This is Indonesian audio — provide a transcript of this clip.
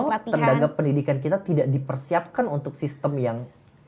jadi menurut lo terdengar pendidikan kita tidak dipersiapkan untuk sistem yang